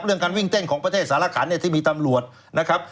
เรื่องการวิ่งเต้นของประเทศสารขันเนี่ยที่มีตำรวจนะครับ